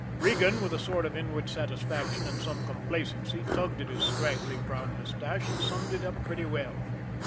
Regan, with a sort of inward satisfaction and some complacency, tugged at his scraggly brown mustache, and summed it up pretty well.